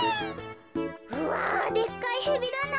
うわでっかいヘビだな。